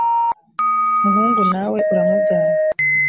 muhungu na we uramubyara